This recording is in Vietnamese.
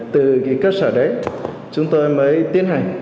từ cơ sở đấy chúng tôi mới tiến hành